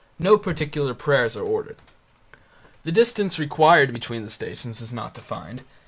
No particular prayers are ordered; The distance required between the Stations is not defined.